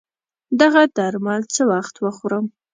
دغه درمل څه وخت وخورم